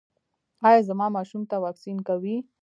ایا زما ماشوم ته واکسین کوئ؟